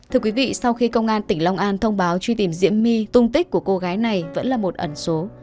thưa quý vị sau khi công an tỉnh long an thông báo truy tìm diễm my tung tích của cô gái này vẫn là một ẩn số